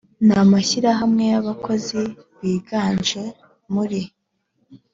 n amashyirahamwe y abakozi yiganje muri